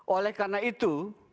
oleh karena itu